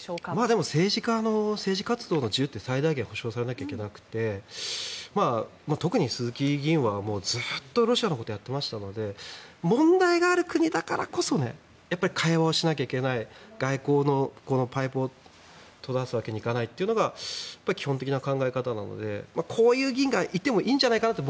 でも、政治家の政治活動の自由って最大限保障されないといけなくて特に鈴木議員はずっとロシアのことをやっていましたので問題がある国だからこそ会話をしなきゃいけない外交のパイプを閉ざすわけにはいかないというのが基本的な考え方なのでこういう議員がいてもいいんじゃないかななんて